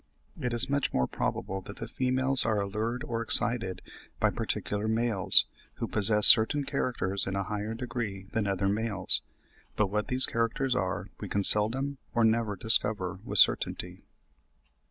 It is much more probable that the females are allured or excited by particular males, who possess certain characters in a higher degree than other males; but what these characters are, we can seldom or never discover with certainty.